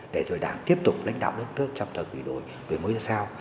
để rồi đảng tiếp tục lãnh đạo đất nước trong thời kỳ đổi đổi mới là sao